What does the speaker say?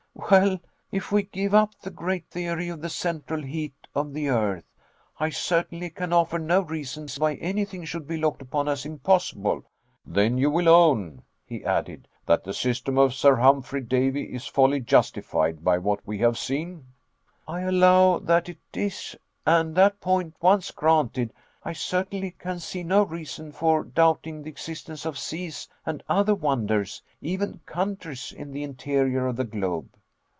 "Well, if we give up the great theory of the central heat of the earth, I certainly can offer no reasons why anything should be looked upon as impossible." "Then you will own," he added, "that the system of Sir Humphry Davy is wholly justified by what we have seen?" "I allow that it is and that point once granted, I certainly can see no reason for doubting the existence of seas and other wonders, even countries, in the interior of the globe."